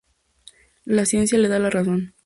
La ciencia le da la razón.